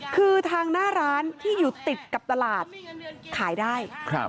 คือทางหน้าร้านที่อยู่ติดกับตลาดขายได้